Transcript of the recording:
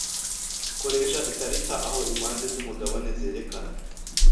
koresha ikarita aho impande zumugabane zerekana